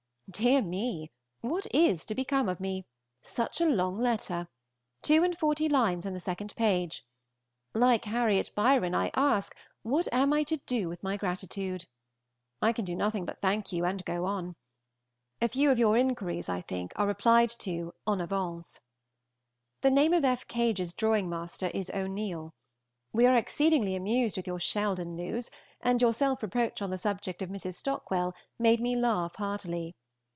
_ Dear me! what is to become of me? Such a long letter! Two and forty lines in the second page. Like Harriot Byron, I ask, what am I to do with my gratitude? I can do nothing but thank you and go on. A few of your inquiries, I think, are replied to en avance. The name of F. Cage's drawing master is O'Neil. We are exceedingly amused with your Shalden news, and your self reproach on the subject of Mrs. Stockwell made me laugh heartily.